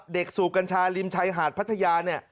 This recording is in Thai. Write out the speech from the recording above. เด็กสู่กัญชาริมชัยหาดพัทยา